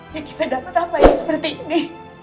ya kita dapat apa yang seperti ini